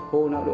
khô nó đủ